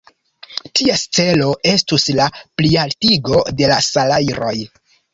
Ties celo estus la plialtigo de la salajroj.